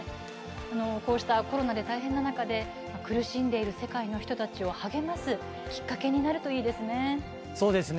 こうしたコロナで大変な中で苦しんでいる世界の人たちを励ますきっかけになるといいですね。